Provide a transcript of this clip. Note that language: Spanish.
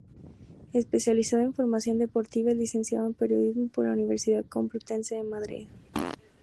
Especializado en información deportiva, es licenciado en Periodismo por la Universidad Complutense de Madrid.